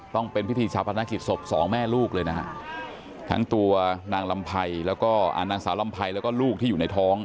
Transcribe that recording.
ต้องเป็นพิธีชาปนกฤษฐพ๒แม่ลูกเลยนะฮะทั้งตัวนางสาวลำไพยแล้วก็ลูกที่อยู่ในท้อง